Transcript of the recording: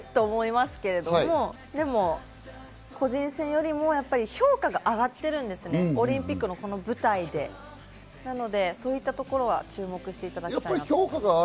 思いますけれども、個人戦よりも評価が上がってるんですね、オリンピックのこの舞台でそういったところは注目していただきたいなと。